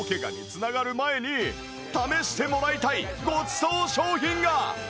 試してもらいたいごちそう商品が！